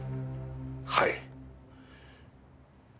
はい。